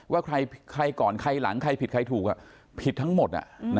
ว่าใครก่อนใครหลังใครผิดใครถูกผิดทั้งหมด